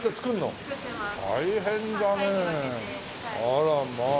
あらまあ。